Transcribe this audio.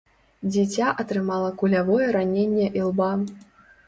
Дзіця атрымала кулявое раненне ілба.